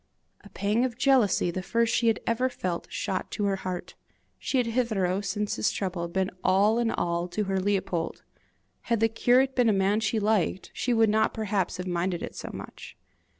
A pang of jealousy, the first she had ever felt, shot to her heart: she had hitherto, since his trouble, been all in all to her Leopold! Had the curate been a man she liked, she would not perhaps have minded it so much.